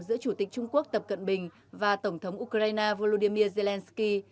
giữa chủ tịch trung quốc tập cận bình và tổng thống ukraine volodymyr zelensky